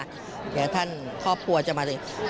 เดี๋ยวท่านครอบครัวจะมาเลย